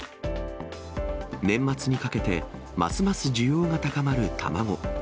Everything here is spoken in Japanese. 年末にかけてますます需要が高まる卵。